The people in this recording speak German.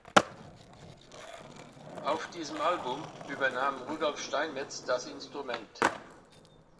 Auf diesem Album übernahm Rudolf Steinmetz das Instrument.